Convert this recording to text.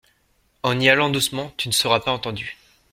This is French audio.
En y allant doucement, tu ne seras pas entendu.